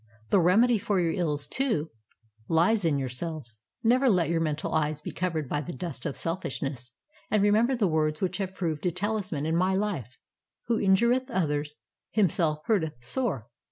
The remedy for your ills, too, lies in yourselves. Never let your mental eyes be covered by the dust of selfishness, and remember the words which have proved a taHsman in my Uf e :— 'WTio injureth others Himself hurteth sore.